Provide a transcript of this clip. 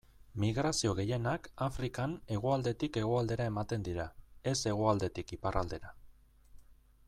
Migrazio gehienak Afrikan hegoaldetik hegoaldera ematen dira, ez hegoaldetik iparraldera.